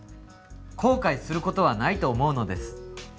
後悔することはないと思うのです